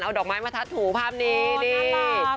เอาดอกไม้มาทัดถูภาพนี้นี่